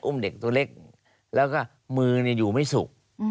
เด็กตัวเล็กแล้วก็มืออยู่ไม่สุก